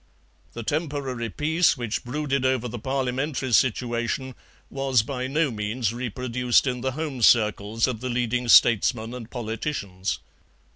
The temporary peace which brooded over the Parliamentary situation was by no means reproduced in the home circles of the leading statesmen and politicians.